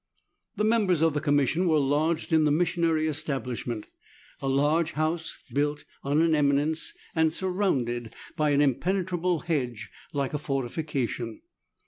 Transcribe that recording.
The members of the Commission were lodged in the missionary establishment, a large house built on an eminence and surrounded by an impenetrable hedge like a fortifica tion.